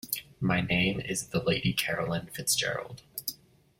My name is the Lady Carolyn Fitzgerald.